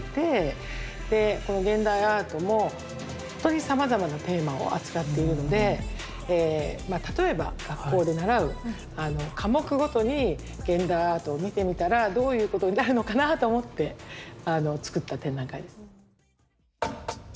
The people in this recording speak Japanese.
でこの現代アートもほんとにさまざまなテーマを扱っているのでまあ例えば学校で習う科目ごとに現代アートを見てみたらどういうことになるのかなと思ってあのつくった展覧会です。